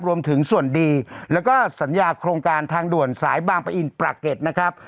รวมถึงส่วนดีแล้วก็สัญญาโครงการทางด่วนสายบางปะอินปราเก็ตนะครับ